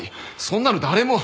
そんなの誰も。